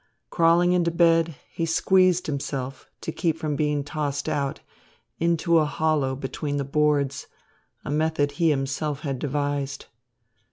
Crawling into bed, he squeezed himself, to keep from being tossed out, into a hollow between the boards, a method he himself had devised.